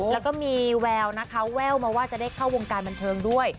แล้วก็มีแววนะคะแววมาว่าจะได้เข้าวงการบันเทิงด้วย